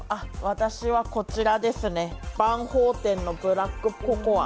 私はこちらですね、バンホーテンのブラックココア。